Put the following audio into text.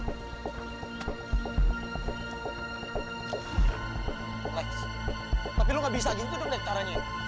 likes tapi lo gak bisa gitu dong dek caranya